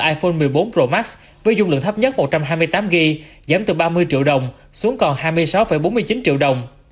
iphone một mươi bốn pro max với dung lượng thấp nhất một trăm hai mươi tám gb giảm từ ba mươi triệu đồng xuống còn hai mươi sáu bốn mươi chín triệu đồng